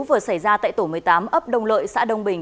vừa xảy ra tại tổ một mươi tám ấp đông lợi xã đông bình